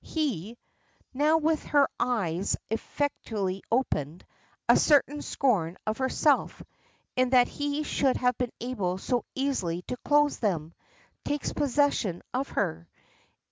He! Now with her eyes effectually opened, a certain scorn of herself, in that he should have been able so easily to close them, takes possession of her.